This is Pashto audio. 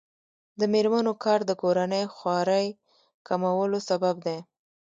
د میرمنو کار د کورنۍ خوارۍ کمولو سبب دی.